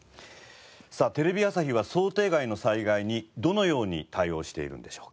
さあテレビ朝日は想定外の災害にどのように対応しているんでしょうか。